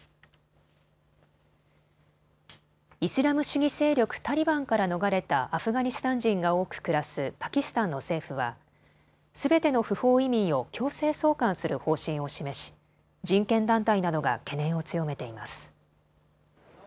イスラム主義勢力タリバンから逃れたアフガニスタン人が多く暮らすパキスタンの政府はすべての不法移民を強制送還する方針を示し人権団体などが懸念を強めています。